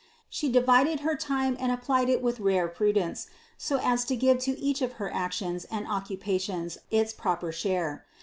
476. She divided her time and applied it with rare pru dence so as to give to each of her actions and occupations its proper share.